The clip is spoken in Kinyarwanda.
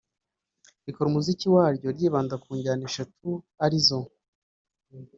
rikora umuziki waryo ryibanda ku njyana eshatu arizo